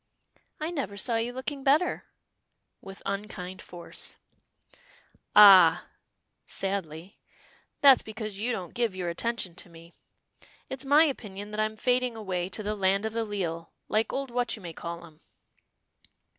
"I never saw you looking better," with unkind force. "Ah!" sadly, "that's because you don't give your attention to me. It's my opinion that I'm fading away to the land o' the leal, like old What you may call 'em."